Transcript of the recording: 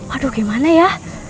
aduh gimana ya